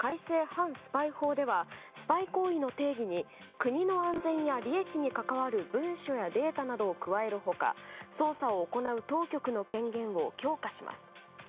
反スパイ法ではスパイ行為の定義に国の安全や利益に関わる文書やデータなどを加える他捜査を行う当局の権限を強化します。